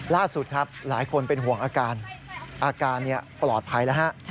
ล่าสุดครับหลายคนเป็นห่วงอาการอาการปลอดภัยแล้วฮะ